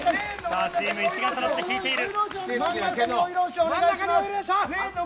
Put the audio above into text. チーム一丸となって引いている。